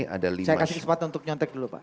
saya kasih kesempatan untuk nyontek dulu pak